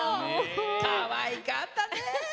かわいかったねえ。